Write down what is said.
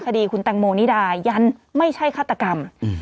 คดีคุณแตงโมนิดายันไม่ใช่ฆาตกรรม